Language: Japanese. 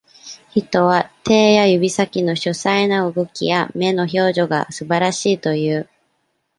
人は、手や指先の繊細な動きや、目の表情がすばらしいという。